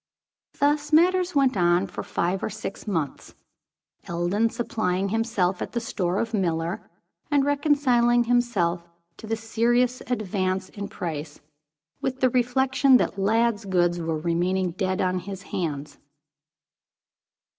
Thus matters went on for five or six months, Eldon supplying himself at the store of Miller, and reconciling himself to the serious advance in price, with the reflection that Lladd's goods were remaining dead on his hands.